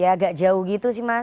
agak jauh gitu sih mas